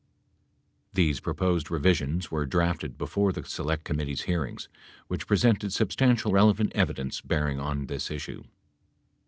These proposed revi sions were drafted before the Select Committee's hearings, which presented substantial relevant evidence bearing on this issue.